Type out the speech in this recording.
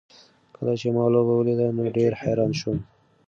کله چې ما لوبه ولیده نو ډېر حیران شوم.